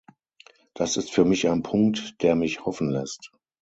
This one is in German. Das ist für mich ein Punkt, der mich hoffen lässt.